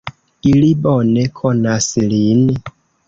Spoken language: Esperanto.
Ili bone konas lin.